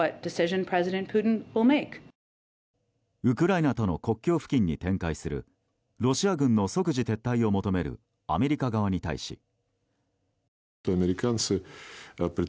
ウクライナとの国境付近に展開するロシア軍の即時撤退を求めるアメリカ側に対し。